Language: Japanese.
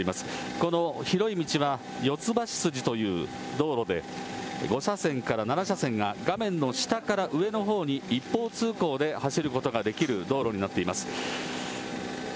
この広い道は、四ツ橋筋という道路で、５車線から７車線が画面の下から上のほうに一方通行で走ることができる道路になっています。